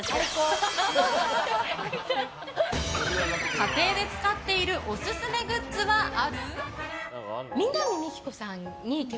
家庭で使っているオススメグッズはある？